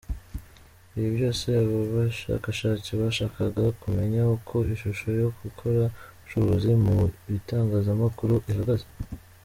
Ibi byose aba bashakashatsi bashakaga kumenya uko ishusho yo gukora ubucuruzi mu bitangazamakuru ihagaze.